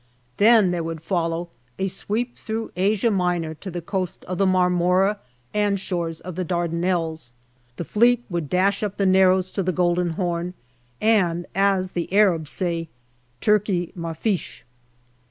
Then there would follow a sweep through Asia Minor to the coast of the Marmora and shores of the Dardanelles, the Fleet would dash up the Narrows to the Golden Horn, and, as the Arabs say, " Turkey mafisch."